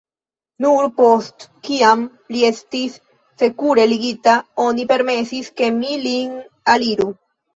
Nur post kiam li estis sekure ligita oni permesis ke mi lin aliru.